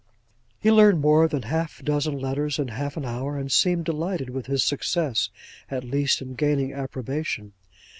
'He learned more than a half dozen letters in half an hour, and seemed delighted with his success, at least in gaining approbation.